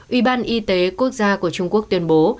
ủy ban y tế quốc gia của trung quốc tuyên bố